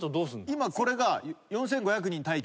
今これが４，５００人待機。